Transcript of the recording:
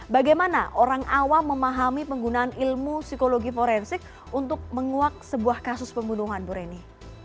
bagaimana orang awam memahami penggunaan ilmu psikologi forensik untuk menguak sebuah kasus pembunuhan bu reni